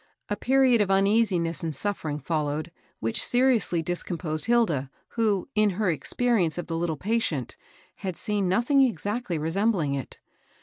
A period of uneasiness and suffering followed, which seriously discomposed Hilda, who, in her experience of the little patient, had seen nothing exactly resembling it.